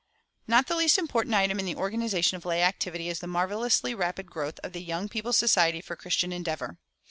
Not the least important item in the organization of lay activity is the marvelously rapid growth of the "Young People's Society of Christian Endeavor."